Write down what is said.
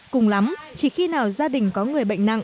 cùng lắm chỉ khi nào gia đình có người bệnh nặng